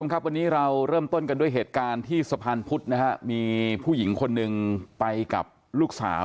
ครับวันนี้เราเริ่มต้นกันด้วยเหตุการณ์ที่สะพานพุทธนะฮะมีผู้หญิงคนหนึ่งไปกับลูกสาว